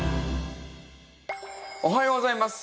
おはようございます。